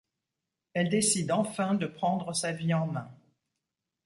Elle décide enfin de prendre sa vie en main.